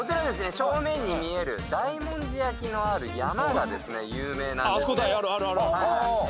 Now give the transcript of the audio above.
正面に見える大文字焼のある山がですね有名なんですね。